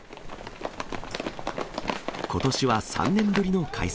ことしは３年ぶりの開催。